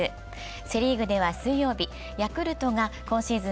セ・リーグでは水曜日、ヤクルトが今シーズン